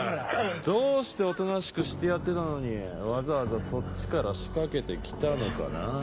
どうしておとなしくしてやってたのにわざわざそっちから仕掛けて来たのかな？